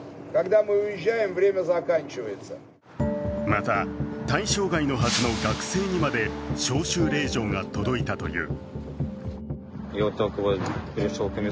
また、対象外のはずの学生にまで招集令状が届いたという。